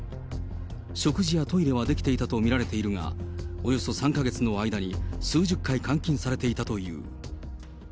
食事やトイレはできていたと見られているが、およそ３か月の間に数十回監禁されていたという。